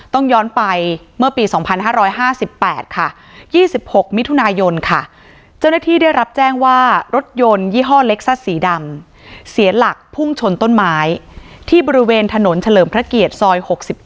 ต้องย้อนไปเมื่อปี๒๕๕๘ค่ะ๒๖มิถุนายนค่ะเจ้าหน้าที่ได้รับแจ้งว่ารถยนต์ยี่ห้อเล็กซัสสีดำเสียหลักพุ่งชนต้นไม้ที่บริเวณถนนเฉลิมพระเกียรติซอย๖๗